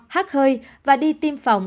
hát hơi và đi tiêm phòng